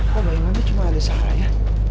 kok bayangannya cuma ada saraya